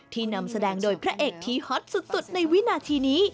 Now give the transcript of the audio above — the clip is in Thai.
นำแสดงโดยพระเอกที่ฮอตสุดในวินาทีนี้